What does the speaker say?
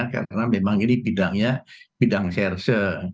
karena memang ini bidangnya bidang serse